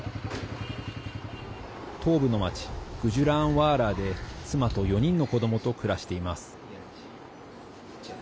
東部の町グジュラーンワーラーで妻と４人の子どもと暮らしています。